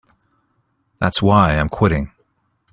That's why I'm quitting.